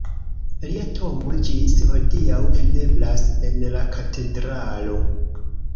Lia tombo ĝis hodiaŭ videblas en la katedralo.